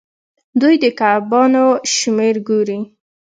دوی د کبانو شمیر ګوري.